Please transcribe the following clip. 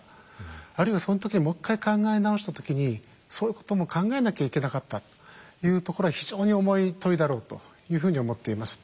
あるいはその時にもう一回考え直した時にそういうことも考えなきゃいけなかったというところは非常に重い問いだろうというふうに思っています。